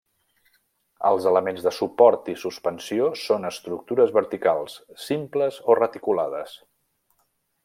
Els elements de suport i suspensió són estructures verticals, simples o reticulades.